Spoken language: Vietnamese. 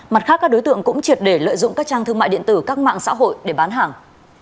mặt khác các đối tượng cũng triệt để lợi dụng các trang thương mại điện tử các mạng xã hội để bán hàng